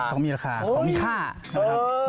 ของมีราคาของมีค่าใช่ไหมครับ